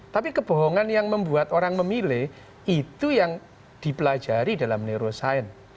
tapi kebohongan yang membuat orang memilih itu yang dipelajari dalam neuroscience